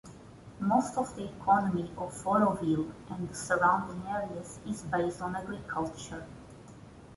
Most of the economy of Oroville and the surrounding areas is based on agriculture.